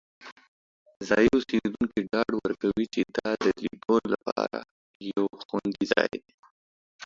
ځایی اوسیدونکي ډاډ ورکوي چې دا د لیدو لپاره یو خوندي ځای دی.